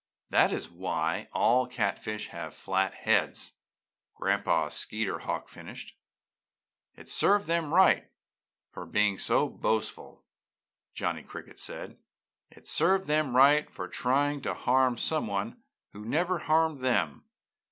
"That is why all catfish have flat heads," Grandfather Skeeterhawk finished. "It served them right for being so boastful!" Johnny Cricket said. "It served them right for trying to harm someone who never harmed them!"